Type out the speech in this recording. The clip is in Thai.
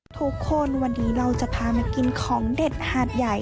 ทุกวันวันนี้เราจะพามากินของเด็ดหาดใหญ่